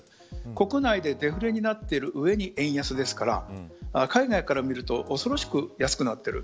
国内でデフレになっている上に円安ですから海外から見ると恐ろしく安くなっている。